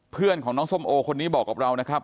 เพื่อนของน้องส้มโอคนนี้บอกกับเรานะครับ